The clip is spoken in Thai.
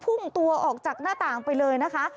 พุ่งตัวออกจากหน้าต่างไปเลยนะคะ